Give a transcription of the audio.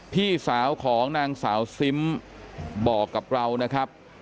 พี่สาวของนางสาวซิมบอกกับเรานะครับ